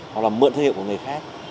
hoặc là mượn thư hiệu của người khác